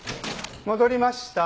戻りました。